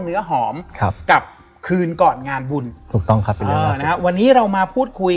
เนื้อหอมครับกับคืนก่อนงานบุญถูกต้องครับนะฮะวันนี้เรามาพูดคุย